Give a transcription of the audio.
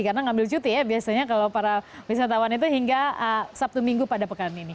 karena ngambil cuti ya biasanya kalau para wisatawan itu hingga sabtu minggu pada pekan ini